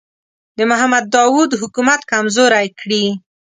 د محمد داوود حکومت کمزوری کړي.